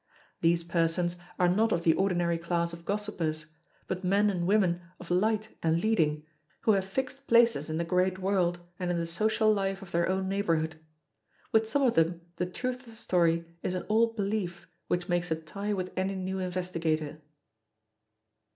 These persons are not of the ordinary class of gossipers, but men and women of light and leading who have fixed places in the great world and in the social life of their own neighbourhood. With some of them the truth of the story is an old belief which makes a tie with any new investigator.